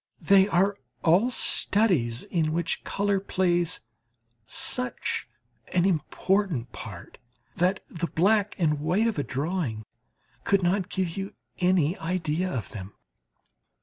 They are all studies in which colour plays such an important part that the black and white of a drawing could not give you any idea of them.